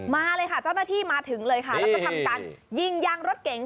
มาเลยค่ะเจ้าหน้าที่มาถึงเลยค่ะแล้วก็ทำการยิงยางรถเก๋ง